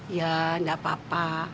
ya enggak apa apa